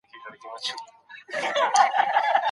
کوم ځانګړتیاوي د قبیلوي ټولنو لپاره ضروري دي؟